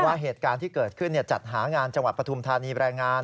ว่าเหตุการณ์ที่เกิดขึ้นจัดหางานจังหวัดปฐุมธานีแรงงาน